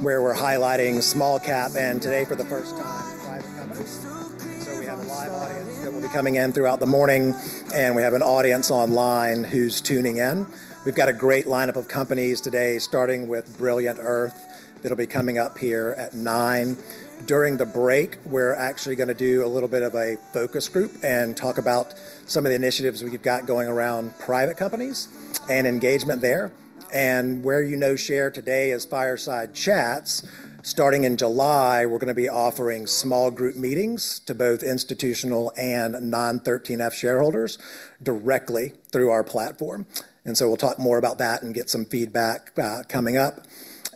Where we're highlighting small cap, and today, for the first time, private companies. So we have a live audience that will be coming in throughout the morning, and we have an audience online who's tuning in. We've got a great lineup of companies today, starting with Brilliant Earth. It'll be coming up here at 9:00 A.M. During the break, we're actually going to do a little bit of a focus group and talk about some of the initiatives we've got going around private companies and engagement there. And where you know SHARE today is Fireside Chats. Starting in July, we're going to be offering small group meetings to both institutional and non-13F shareholders directly through our platform. And so we'll talk more about that and get some feedback coming up.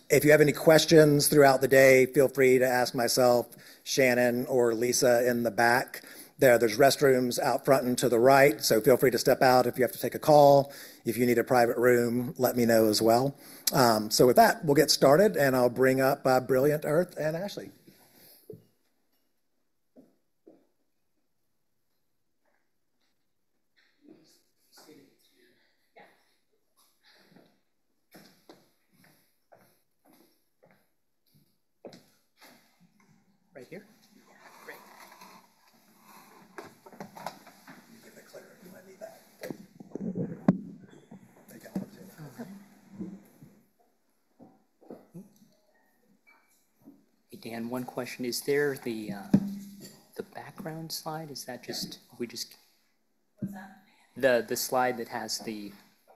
If you have any questions throughout the day, feel free to ask myself, Shannon, or Lisa in the back there. There's restrooms out front and to the right, so feel free to step out if you have to take a call. If you need a private room, let me know as well. So with that, we'll get started, and I'll bring up Brilliant Earth and Ashley. Right here? Great. Hey, Dan, one question. Is there the background slide? Is that just we just. The slide that has the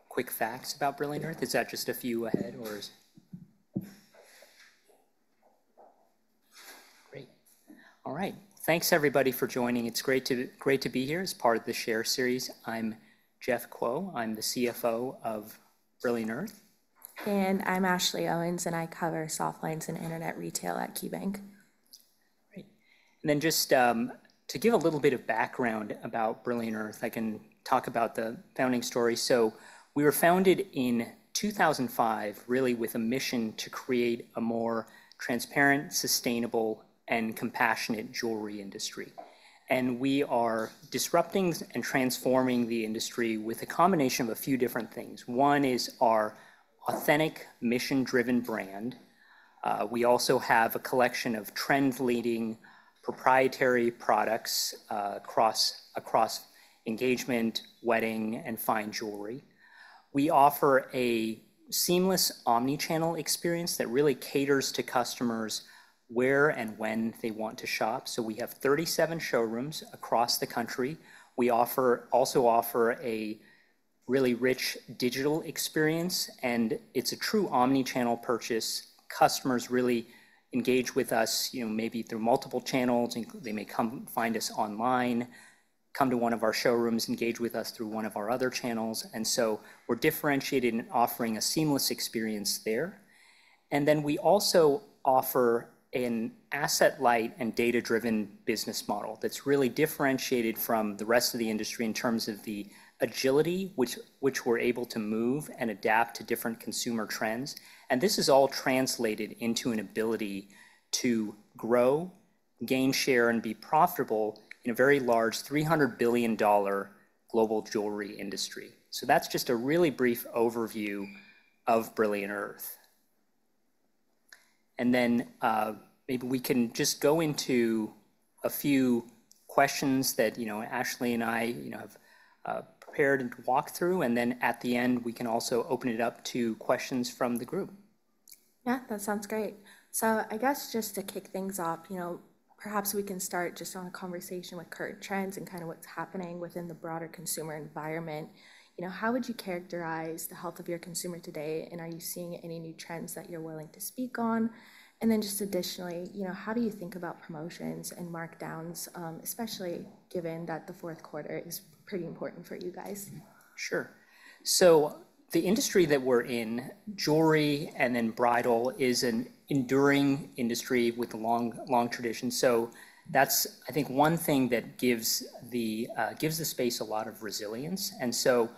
quick facts about Brilliant Earth? Is that just a few ahead, or is? Great. All right. Thanks, everybody, for joining. It's great to be here as part of the SHARE Series. I'm Jeff Kuo. I'm the CFO of Brilliant Earth. I'm Ashley Owens, and I cover softlines and internet retail at KeyBanc. Great. And then just to give a little bit of background about Brilliant Earth, I can talk about the founding story. So we were founded in 2005, really, with a mission to create a more transparent, sustainable, and compassionate jewelry industry. And we are disrupting and transforming the industry with a combination of a few different things. One is our authentic, mission-driven brand. We also have a collection of trend-leading proprietary products across engagement, wedding, and fine jewelry. We offer a seamless omnichannel experience that really caters to customers where and when they want to shop. So we have 37 showrooms across the country. We also offer a really rich digital experience, and it's a true omnichannel purchase. Customers really engage with us maybe through multiple channels. They may come find us online, come to one of our showrooms, engage with us through one of our other channels. And so we're differentiated in offering a seamless experience there. And then we also offer an asset-light and data-driven business model that's really differentiated from the rest of the industry in terms of the agility, which we're able to move and adapt to different consumer trends. And this is all translated into an ability to grow, gain share, and be profitable in a very large $300 billion global jewelry industry. So that's just a really brief overview of Brilliant Earth. And then maybe we can just go into a few questions that Ashley and I have prepared and walked through. And then at the end, we can also open it up to questions from the group. Yeah, that sounds great. So I guess just to kick things off, perhaps we can start just on a conversation with current trends and kind of what's happening within the broader consumer environment. How would you characterize the health of your consumer today, and are you seeing any new trends that you're willing to speak on? And then just additionally, how do you think about promotions and markdowns, especially given that the fourth quarter is pretty important for you guys? Sure. So the industry that we're in, jewelry and then bridal, is an enduring industry with a long tradition. So that's, I think, one thing that gives the space a lot of resilience. And so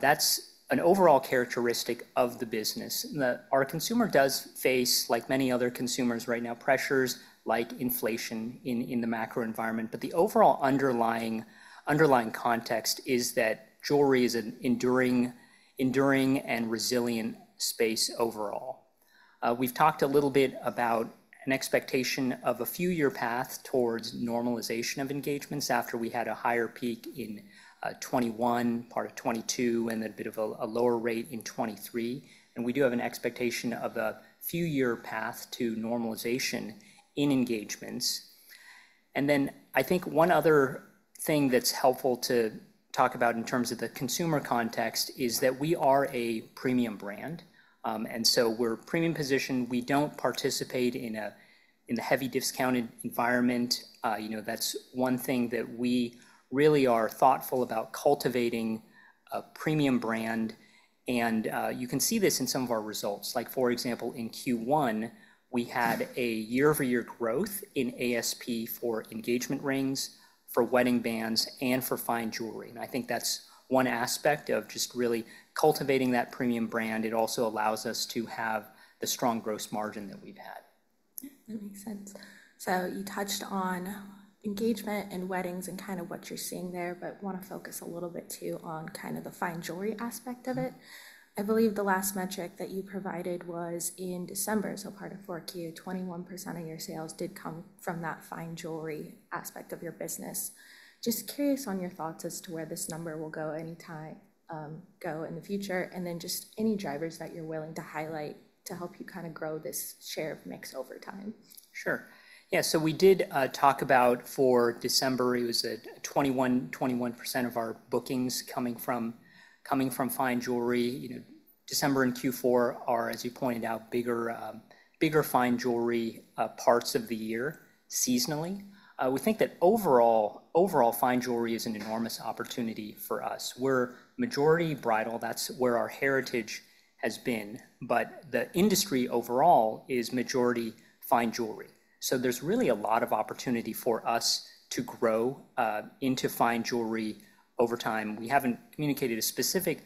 that's an overall characteristic of the business. Our consumer does face, like many other consumers right now, pressures like inflation in the macro environment. But the overall underlying context is that jewelry is an enduring and resilient space overall. We've talked a little bit about an expectation of a few-year path towards normalization of engagements after we had a higher peak in 2021, part of 2022, and then a bit of a lower rate in 2023. And we do have an expectation of a few-year path to normalization in engagements. And then I think one other thing that's helpful to talk about in terms of the consumer context is that we are a premium brand. And so we're a premium position. We don't participate in a heavy-discounted environment. That's one thing that we really are thoughtful about cultivating a premium brand. And you can see this in some of our results. Like, for example, in Q1, we had a year-over-year growth in ASP for engagement rings, for wedding bands, and for fine jewelry. And I think that's one aspect of just really cultivating that premium brand. It also allows us to have the strong gross margin that we've had. Yeah, that makes sense. So you touched on engagement and weddings and kind of what you're seeing there, but want to focus a little bit too on kind of the fine jewelry aspect of it. I believe the last metric that you provided was in December, so part of 4Q, 21% of your sales did come from that fine jewelry aspect of your business. Just curious on your thoughts as to where this number will go anytime in the future, and then just any drivers that you're willing to highlight to help you kind of grow this share mix over time. Sure. Yeah, so we did talk about for December, it was at 21% of our bookings coming from fine jewelry. December and Q4 are, as you pointed out, bigger fine jewelry parts of the year seasonally. We think that overall fine jewelry is an enormous opportunity for us. We're majority bridal. That's where our heritage has been. But the industry overall is majority fine jewelry. So there's really a lot of opportunity for us to grow into fine jewelry over time. We haven't communicated specific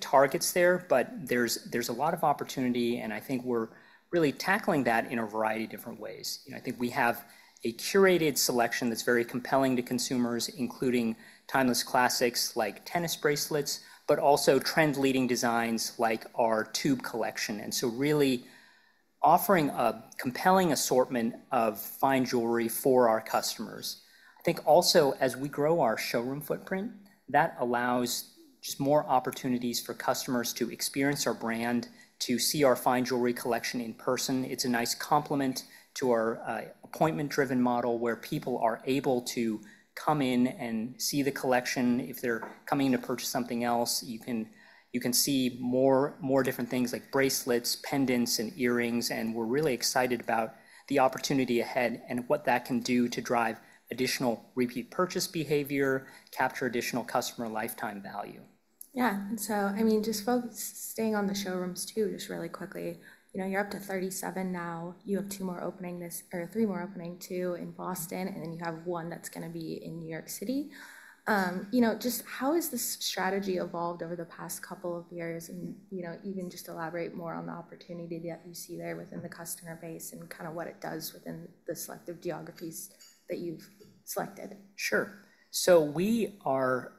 targets there, but there's a lot of opportunity, and I think we're really tackling that in a variety of different ways. I think we have a curated selection that's very compelling to consumers, including timeless classics like tennis bracelets, but also trend-leading designs like our tube collection. And so really offering a compelling assortment of fine jewelry for our customers. I think also, as we grow our showroom footprint, that allows just more opportunities for customers to experience our brand, to see our fine jewelry collection in person. It's a nice complement to our appointment-driven model where people are able to come in and see the collection. If they're coming to purchase something else, you can see more different things like bracelets, pendants, and earrings. And we're really excited about the opportunity ahead and what that can do to drive additional repeat purchase behavior, capture additional customer lifetime value. Yeah. So, I mean, just staying on the showrooms too, just really quickly, you're up to 37 now. You have two more opening this or three more opening too in Boston, and then you have one that's going to be in New York City. Just how has this strategy evolved over the past couple of years? And even just elaborate more on the opportunity that you see there within the customer base and kind of what it does within the selective geographies that you've selected. Sure. So we are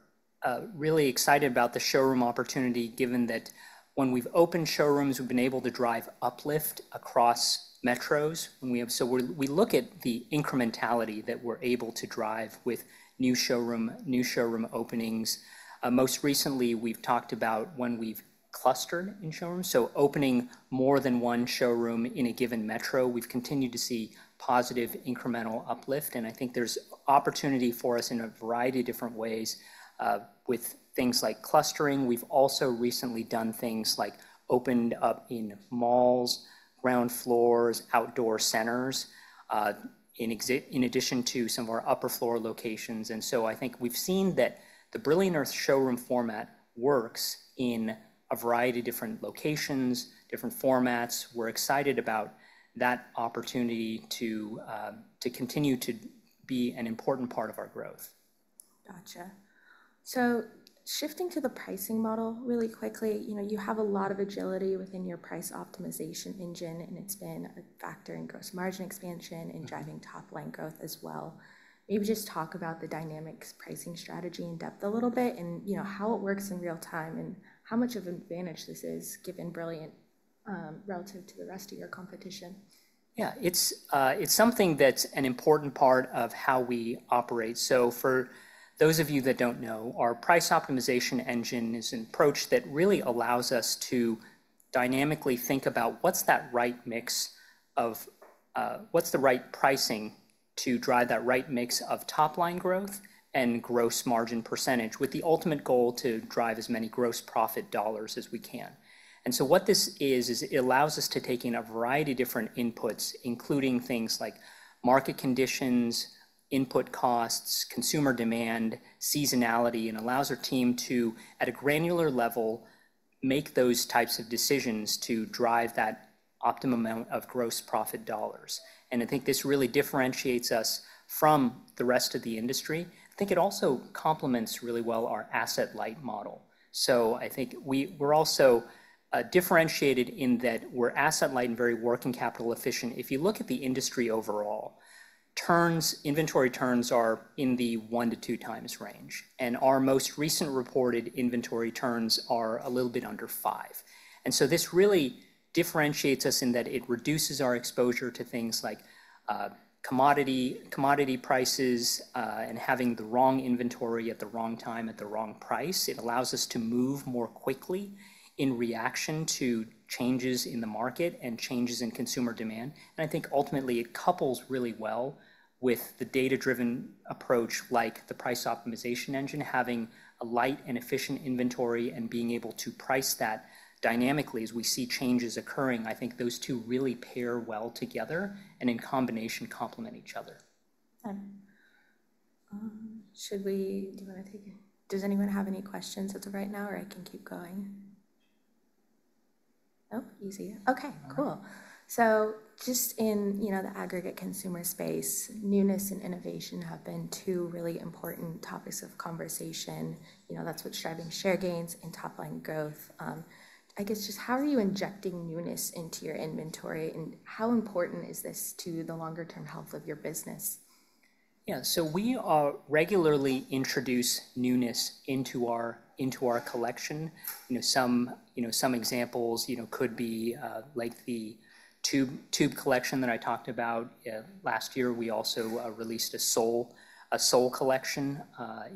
really excited about the showroom opportunity, given that when we've opened showrooms, we've been able to drive uplift across metros. So we look at the incrementality that we're able to drive with new showroom openings. Most recently, we've talked about when we've clustered in showrooms. So opening more than one showroom in a given metro, we've continued to see positive incremental uplift. And I think there's opportunity for us in a variety of different ways with things like clustering. We've also recently done things like opened up in malls, ground floors, outdoor centers in addition to some of our upper floor locations. And so I think we've seen that the Brilliant Earth showroom format works in a variety of different locations, different formats. We're excited about that opportunity to continue to be an important part of our growth. Gotcha. So shifting to the pricing model really quickly, you have a lot of agility within your price optimization engine, and it's been a factor in gross margin expansion and driving top-line growth as well. Maybe just talk about the dynamic pricing strategy in depth a little bit and how it works in real time and how much of an advantage this is given Brilliant relative to the rest of your competition? Yeah, it's something that's an important part of how we operate. So for those of you that don't know, our price optimization engine is an approach that really allows us to dynamically think about what's that right mix of what's the right pricing to drive that right mix of top-line growth and gross margin percentage, with the ultimate goal to drive as many gross profit dollars as we can. And so what this is, is it allows us to take in a variety of different inputs, including things like market conditions, input costs, consumer demand, seasonality, and allows our team to, at a granular level, make those types of decisions to drive that optimum amount of gross profit dollars. And I think this really differentiates us from the rest of the industry. I think it also complements really well our asset-light model. So I think we're also differentiated in that we're asset-light and very working capital efficient. If you look at the industry overall, inventory turns are in the 1-2 times range. And our most recent reported inventory turns are a little bit under five. And so this really differentiates us in that it reduces our exposure to things like commodity prices and having the wrong inventory at the wrong time at the wrong price. It allows us to move more quickly in reaction to changes in the market and changes in consumer demand. And I think ultimately it couples really well with the data-driven approach like the price optimization engine, having a light and efficient inventory and being able to price that dynamically as we see changes occurring. I think those two really pair well together and in combination complement each other. Should we? Do you want to take it? Does anyone have any questions as of right now, or I can keep going? No? Easy. Okay, cool. So just in the aggregate consumer space, newness and innovation have been two really important topics of conversation. That's what's driving share gains and top-line growth. I guess just how are you injecting newness into your inventory, and how important is this to the longer-term health of your business? Yeah, so we regularly introduce newness into our collection. Some examples could be like the tube collection that I talked about last year. We also released a Sol Collection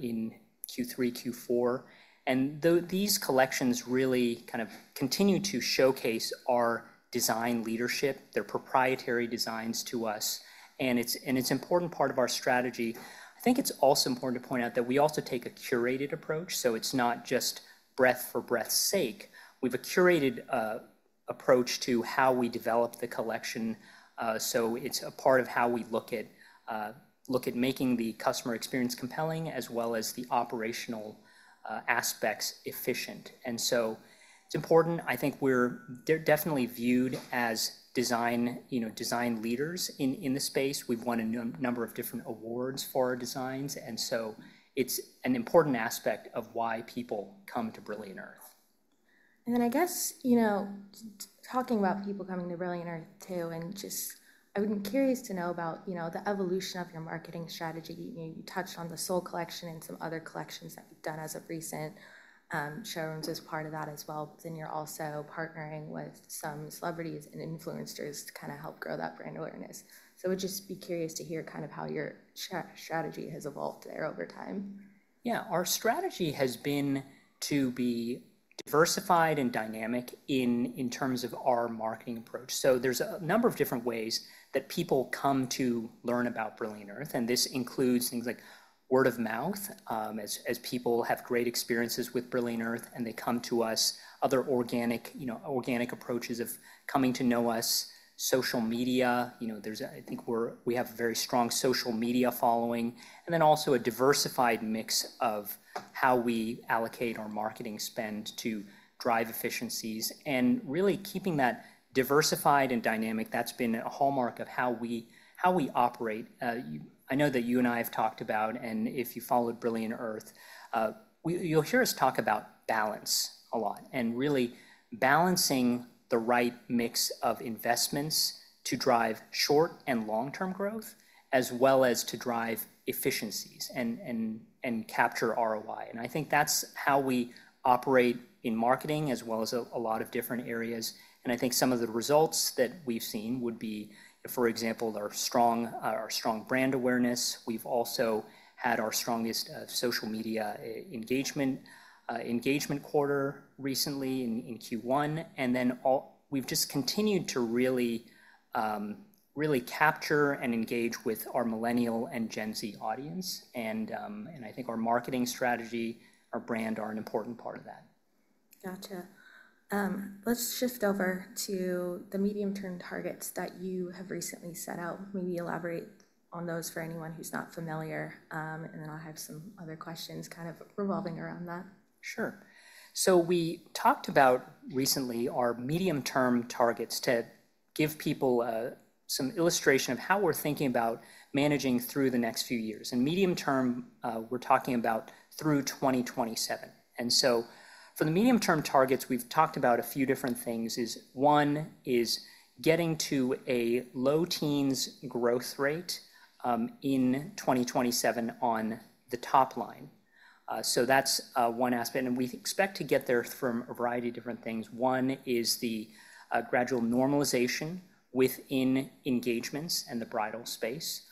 in Q3, Q4. And these collections really kind of continue to showcase our design leadership, they're proprietary designs to us. And it's an important part of our strategy. I think it's also important to point out that we also take a curated approach. So it's not just breadth for breadth's sake. We have a curated approach to how we develop the collection. So it's a part of how we look at making the customer experience compelling as well as the operational aspects efficient. And so it's important. I think we're definitely viewed as design leaders in the space. We've won a number of different awards for our designs. And so it's an important aspect of why people come to Brilliant Earth. Then I guess talking about people coming to Brilliant Earth too, and just I'm curious to know about the evolution of your marketing strategy. You touched on the Sol Collection and some other collections that you've done as of recent showrooms as part of that as well. Then you're also partnering with some celebrities and influencers to kind of help grow that brand awareness. So I would just be curious to hear kind of how your strategy has evolved there over time. Yeah, our strategy has been to be diversified and dynamic in terms of our marketing approach. So there's a number of different ways that people come to learn about Brilliant Earth. And this includes things like word of mouth. As people have great experiences with Brilliant Earth and they come to us, other organic approaches of coming to know us, social media. I think we have a very strong social media following. And then also a diversified mix of how we allocate our marketing spend to drive efficiencies. And really keeping that diversified and dynamic, that's been a hallmark of how we operate. I know that you and I have talked about, and if you followed Brilliant Earth, you'll hear us talk about balance a lot. And really balancing the right mix of investments to drive short and long-term growth, as well as to drive efficiencies and capture ROI. I think that's how we operate in marketing as well as a lot of different areas. I think some of the results that we've seen would be, for example, our strong brand awareness. We've also had our strongest social media engagement quarter recently in Q1. Then we've just continued to really capture and engage with our Millennial and Gen Z audience. I think our marketing strategy, our brand are an important part of that. Gotcha. Let's shift over to the medium-term targets that you have recently set out. Maybe elaborate on those for anyone who's not familiar. And then I'll have some other questions kind of revolving around that. Sure. So we talked about recently our medium-term targets to give people some illustration of how we're thinking about managing through the next few years. Medium-term, we're talking about through 2027. So for the medium-term targets, we've talked about a few different things. One is getting to a low-teens growth rate in 2027 on the top line. So that's one aspect. We expect to get there from a variety of different things. One is the gradual normalization within engagements and the bridal space.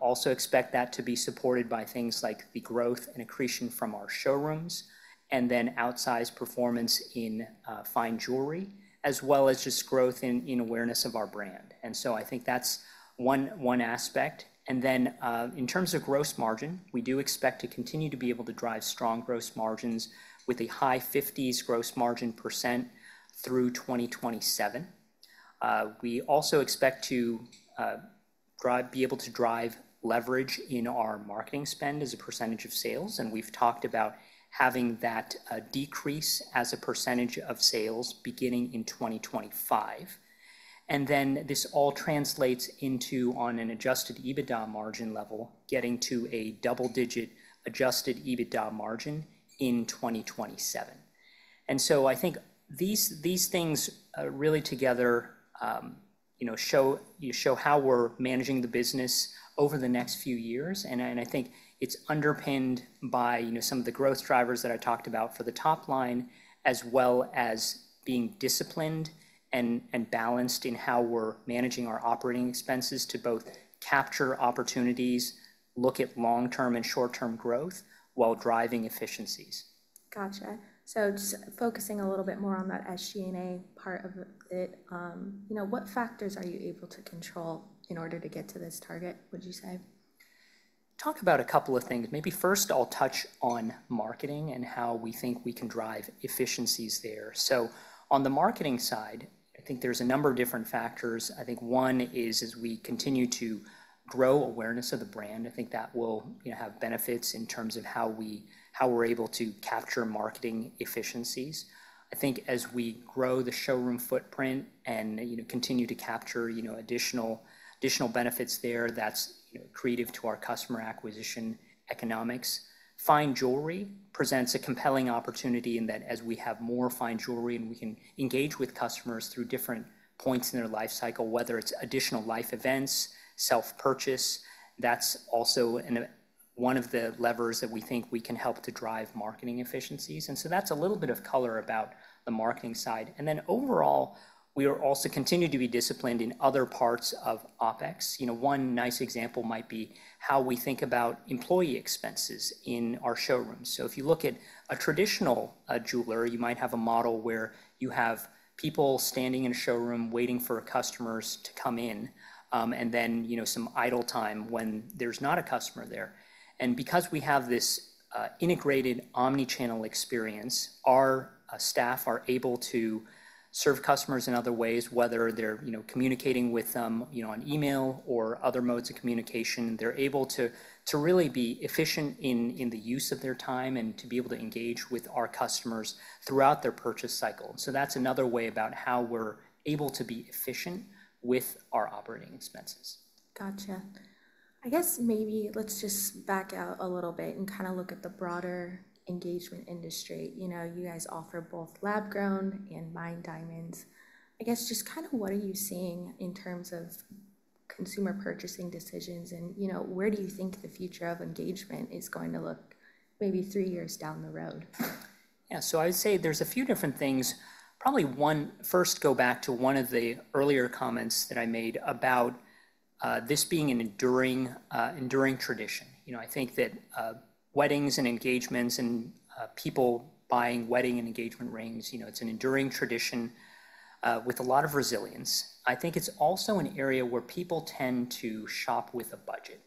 Also expect that to be supported by things like the growth and accretion from our showrooms, and then outsized performance in fine jewelry, as well as just growth in awareness of our brand. So I think that's one aspect. Then in terms of gross margin, we do expect to continue to be able to drive strong gross margins with a high 50s gross margin percent through 2027. We also expect to be able to drive leverage in our marketing spend as a percentage of sales. And we've talked about having that decrease as a percentage of sales beginning in 2025. And then this all translates into on an Adjusted EBITDA margin level, getting to a double-digit Adjusted EBITDA margin in 2027. And so I think these things really together show how we're managing the business over the next few years. And I think it's underpinned by some of the growth drivers that I talked about for the top line, as well as being disciplined and balanced in how we're managing our operating expenses to both capture opportunities, look at long-term and short-term growth while driving efficiencies. Gotcha. So just focusing a little bit more on that SG&A part of it. What factors are you able to control in order to get to this target, would you say? Talk about a couple of things. Maybe first I'll touch on marketing and how we think we can drive efficiencies there. So, on the marketing side, I think there's a number of different factors. I think one is, as we continue to grow awareness of the brand, I think that will have benefits in terms of how we're able to capture marketing efficiencies. I think as we grow the showroom footprint and continue to capture additional benefits there, that's key to our customer acquisition economics. Fine jewelry presents a compelling opportunity in that as we have more fine jewelry and we can engage with customers through different points in their life cycle, whether it's additional life events, self-purchase, that's also one of the levers that we think we can help to drive marketing efficiencies. And so that's a little bit of color about the marketing side. Then overall, we are also continuing to be disciplined in other parts of OpEx. One nice example might be how we think about employee expenses in our showrooms. If you look at a traditional jeweler, you might have a model where you have people standing in a showroom waiting for customers to come in, and then some idle time when there's not a customer there. Because we have this integrated omnichannel experience, our staff are able to serve customers in other ways, whether they're communicating with them on email or other modes of communication. They're able to really be efficient in the use of their time and to be able to engage with our customers throughout their purchase cycle. That's another way about how we're able to be efficient with our operating expenses. Gotcha. I guess maybe let's just back out a little bit and kind of look at the broader engagement industry. You guys offer both lab-grown and mined diamonds. I guess just kind of what are you seeing in terms of consumer purchasing decisions and where do you think the future of engagement is going to look maybe three years down the road? Yeah, so I'd say there's a few different things. Probably one first go back to one of the earlier comments that I made about this being an enduring tradition. I think that weddings and engagements and people buying wedding and engagement rings, it's an enduring tradition with a lot of resilience. I think it's also an area where people tend to shop with a budget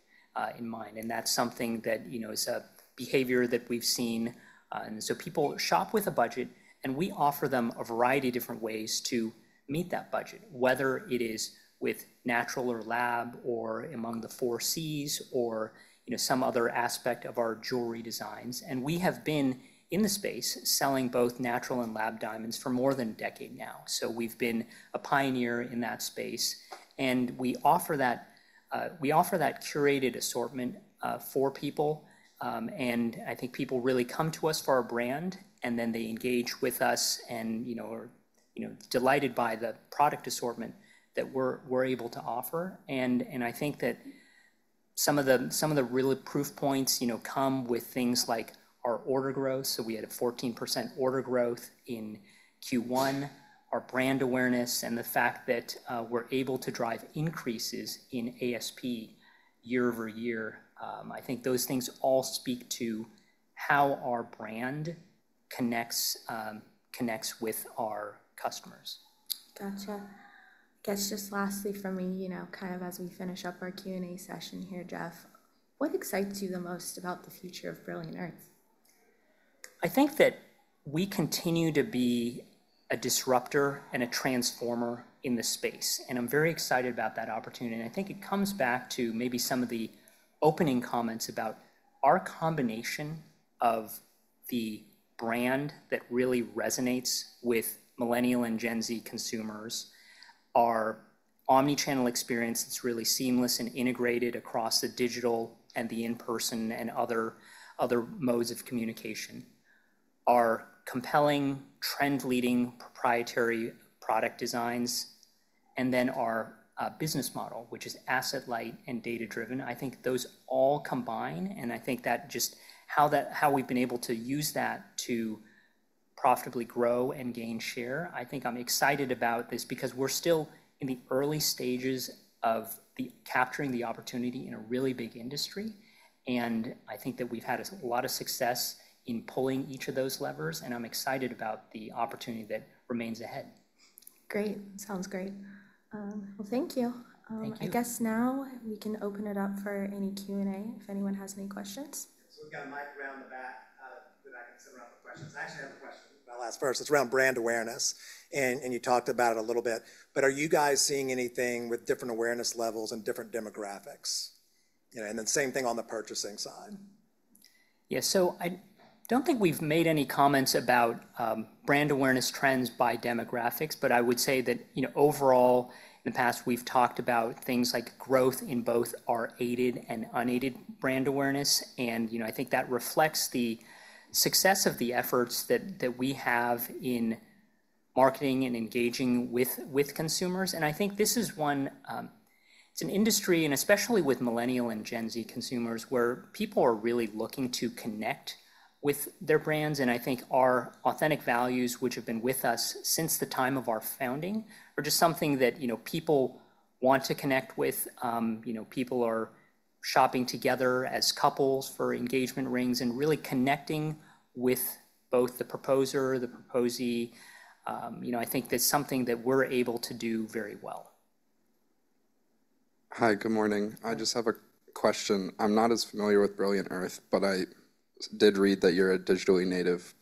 in mind. And that's something that is a behavior that we've seen. And so people shop with a budget, and we offer them a variety of different ways to meet that budget, whether it is with natural or lab or among the 4Cs or some other aspect of our jewelry designs. And we have been in the space selling both natural and lab diamonds for more than a decade now. So we've been a pioneer in that space. We offer that curated assortment for people. I think people really come to us for our brand, and then they engage with us and are delighted by the product assortment that we're able to offer. I think that some of the real proof points come with things like our order growth. So we had 14% order growth in Q1, our brand awareness, and the fact that we're able to drive increases in ASP year-over-year. I think those things all speak to how our brand connects with our customers. Gotcha. I guess just lastly for me, kind of as we finish up our Q&A session here, Jeff, what excites you the most about the future of Brilliant Earth? I think that we continue to be a disruptor and a transformer in the space. And I'm very excited about that opportunity. And I think it comes back to maybe some of the opening comments about our combination of the brand that really resonates with Millennial and Gen Z consumers, our omnichannel experience that's really seamless and integrated across the digital and the in-person and other modes of communication, our compelling, trend-leading proprietary product designs, and then our business model, which is asset-light and data-driven. I think those all combine. And I think that just how we've been able to use that to profitably grow and gain share. I think I'm excited about this because we're still in the early stages of capturing the opportunity in a really big industry. And I think that we've had a lot of success in pulling each of those levers. I'm excited about the opportunity that remains ahead. Great. Sounds great. Well, thank you. I guess now we can open it up for any Q&A if anyone has any questions. So we've got a mic around the back that I can sit around for questions. I actually have a question that I'll ask first. It's around brand awareness. You talked about it a little bit. But are you guys seeing anything with different awareness levels and different demographics? And then same thing on the purchasing side. Yeah, so I don't think we've made any comments about brand awareness trends by demographics. But I would say that overall, in the past, we've talked about things like growth in both our aided and unaided brand awareness. And I think that reflects the success of the efforts that we have in marketing and engaging with consumers. And I think this is one; it's an industry, and especially with Millennial and Gen Z consumers, where people are really looking to connect with their brands. And I think our authentic values, which have been with us since the time of our founding, are just something that people want to connect with. People are shopping together as couples for engagement rings and really connecting with both the proposer, the proposee. I think that's something that we're able to do very well. Hi, good morning. I just have a question. I'm not as familiar with Brilliant Earth, but I did read that you're a digitally native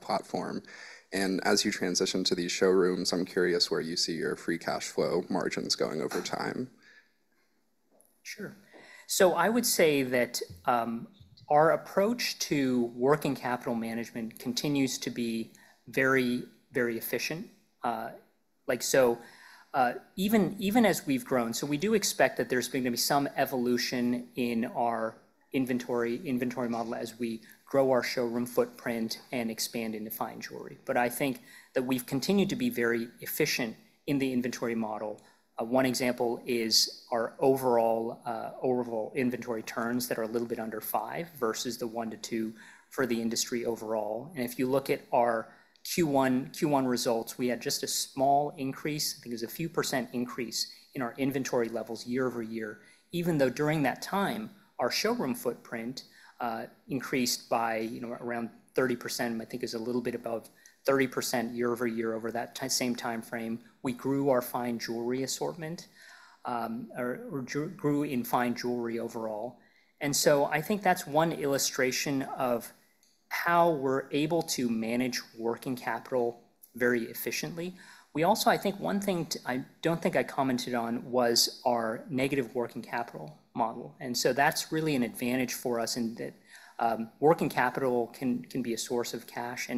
platform. As you transition to these showrooms, I'm curious where you see your free cash flow margins going over time. Sure. So I would say that our approach to working capital management continues to be very, very efficient. So even as we've grown, so we do expect that there's going to be some evolution in our inventory model as we grow our showroom footprint and expand into fine jewelry. But I think that we've continued to be very efficient in the inventory model. One example is our overall inventory turns that are a little bit under five versus the 1-2 for the industry overall. If you look at our Q1 results, we had just a small increase. I think it was a few percent increase in our inventory levels year-over-year, even though during that time, our showroom footprint increased by around 30%. I think it was a little bit above 30% year-over-year over that same time frame. We grew our fine jewelry assortment or grew in fine jewelry overall. And so I think that's one illustration of how we're able to manage working capital very efficiently. We also, I think one thing I don't think I commented on was our negative working capital model. And so that's really an advantage for us in that working capital can be a source of cash.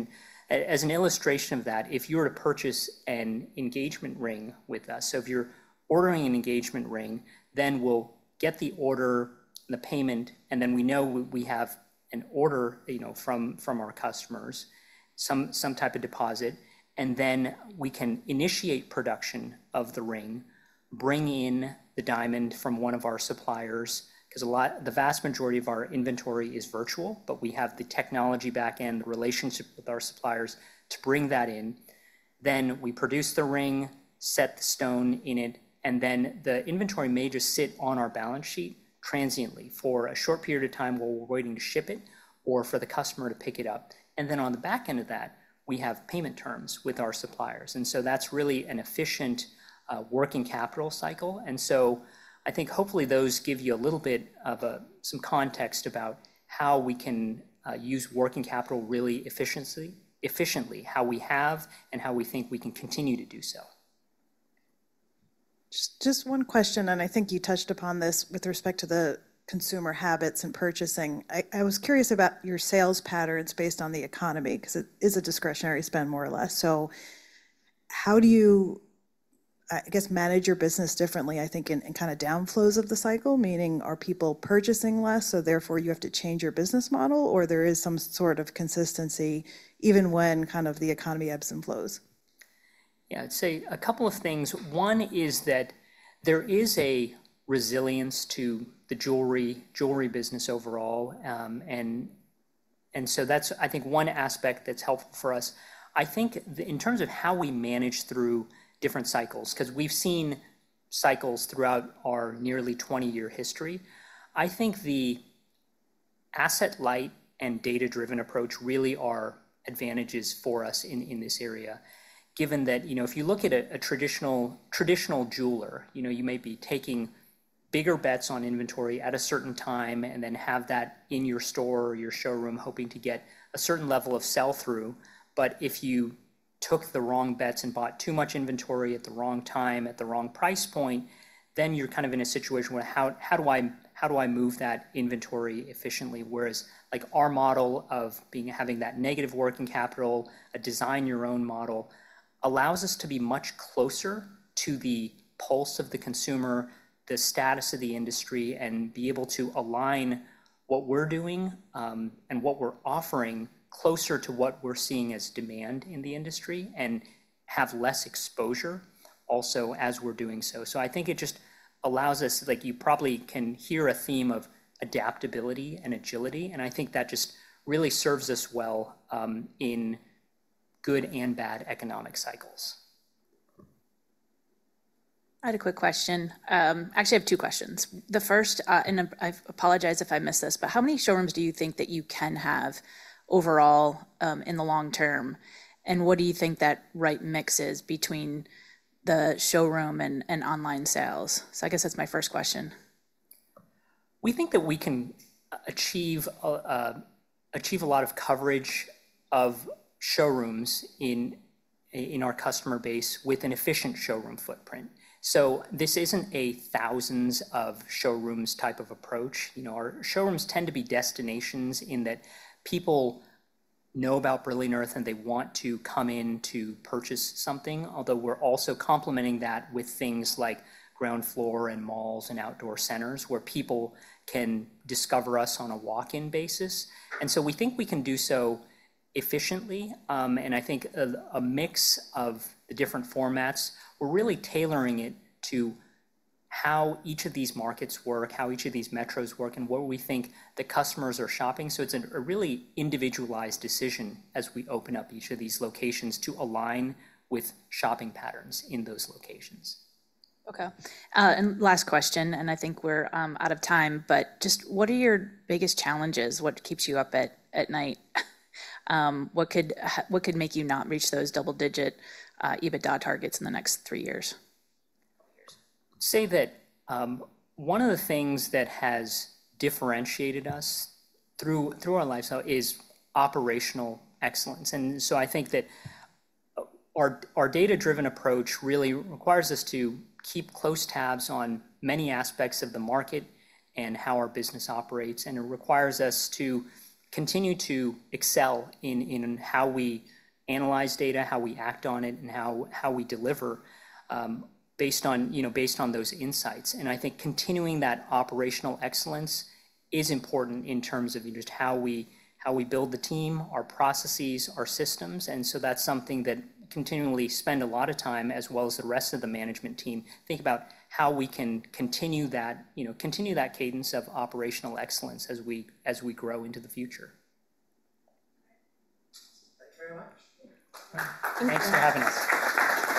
As an illustration of that, if you were to purchase an engagement ring with us, so if you're ordering an engagement ring, then we'll get the order, the payment, and then we know we have an order from our customers, some type of deposit, and then we can initiate production of the ring, bring in the diamond from one of our suppliers, because the vast majority of our inventory is virtual, but we have the technology back end, the relationship with our suppliers to bring that in. Then we produce the ring, set the stone in it, and then the inventory may just sit on our balance sheet transiently for a short period of time while we're waiting to ship it or for the customer to pick it up. And then on the back end of that, we have payment terms with our suppliers. That's really an efficient working capital cycle. I think hopefully those give you a little bit of some context about how we can use working capital really efficiently, how we have and how we think we can continue to do so. Just one question, and I think you touched upon this with respect to the consumer habits and purchasing. I was curious about your sales patterns based on the economy, because it is a discretionary spend more or less. So how do you, I guess, manage your business differently, I think, in kind of downflows of the cycle, meaning are people purchasing less, so therefore you have to change your business model, or there is some sort of consistency even when kind of the economy ebbs and flows? Yeah, I'd say a couple of things. One is that there is a resilience to the jewelry business overall. And so that's, I think, one aspect that's helpful for us. I think in terms of how we manage through different cycles, because we've seen cycles throughout our nearly 20-year history, I think the asset-light and data-driven approach really are advantages for us in this area, given that if you look at a traditional jeweler, you may be taking bigger bets on inventory at a certain time and then have that in your store or your showroom hoping to get a certain level of sell-through. But if you took the wrong bets and bought too much inventory at the wrong time at the wrong price point, then you're kind of in a situation where, how do I move that inventory efficiently? Whereas our model of having that negative working capital, a design-your-own model, allows us to be much closer to the pulse of the consumer, the status of the industry, and be able to align what we're doing and what we're offering closer to what we're seeing as demand in the industry and have less exposure also as we're doing so. So I think it just allows us, like you probably can hear a theme of adaptability and agility. And I think that just really serves us well in good and bad economic cycles. I had a quick question. Actually, I have two questions. The first, and I apologize if I missed this, but how many showrooms do you think that you can have overall in the long term? What do you think the right mix is between the showroom and online sales? I guess that's my first question. We think that we can achieve a lot of coverage of showrooms in our customer base with an efficient showroom footprint. So this isn't a thousands of showrooms type of approach. Our showrooms tend to be destinations in that people know about Brilliant Earth and they want to come in to purchase something, although we're also complementing that with things like ground floor and malls and outdoor centers where people can discover us on a walk-in basis. And so we think we can do so efficiently. And I think a mix of the different formats, we're really tailoring it to how each of these markets work, how each of these metros work, and what we think the customers are shopping. So it's a really individualized decision as we open up each of these locations to align with shopping patterns in those locations. Okay. Last question, and I think we're out of time, but just what are your biggest challenges? What keeps you up at night? What could make you not reach those double-digit EBITDA targets in the next three years? I'd say that one of the things that has differentiated us through our lifecycle is operational excellence. And so I think that our data-driven approach really requires us to keep close tabs on many aspects of the market and how our business operates. And it requires us to continue to excel in how we analyze data, how we act on it, and how we deliver based on those insights. And I think continuing that operational excellence is important in terms of just how we build the team, our processes, our systems. And so that's something that continually spend a lot of time as well as the rest of the management team, think about how we can continue that cadence of operational excellence as we grow into the future. Thank you very much. Thanks for having us.